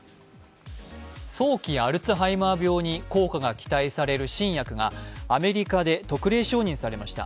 早期アルツハイマー病に効果が期待される新薬がアメリカで特例承認されました。